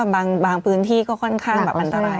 บางพื้นที่ก็ค่อนข้างแบบอันตราย